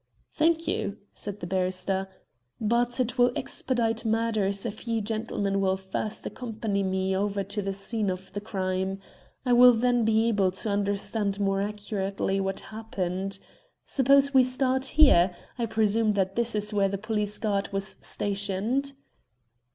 "Thank you," said the barrister, "but it will expedite matters if you gentlemen will first accompany me over the scene of the crime. I will then be able to understand more accurately what happened. Suppose we start here. I presume that this is where the police guard was stationed?"